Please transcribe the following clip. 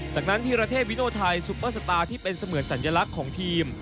จากนั้นธีรเทพวิโนไทยซุปเปอร์สตาร์ที่เป็นเสมือนสัญลักษณ์ของทีม